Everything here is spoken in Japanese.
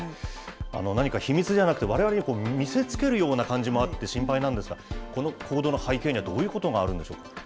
何か秘密じゃなくて、われわれに見せつけるような感じもあって心配なんですが、この行動の背景にはどういうことがあるんでしょうか？